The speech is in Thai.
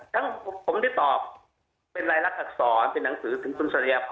ทั้งผมได้ตอบเป็นรายลักษณอักษรเป็นหนังสือถึงคุณสริยพร